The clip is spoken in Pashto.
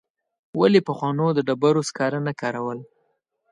ولي پخوانو د ډبرو سکاره نه کارول؟